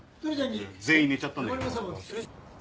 全員寝ちゃったんだけど。